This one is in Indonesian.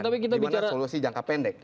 di mana solusi jangka pendek